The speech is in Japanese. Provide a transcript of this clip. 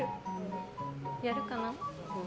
やるかな？